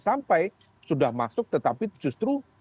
sampai sudah masuk tetapi justru